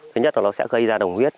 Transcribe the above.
thứ nhất là nó sẽ gây ra đồng huyết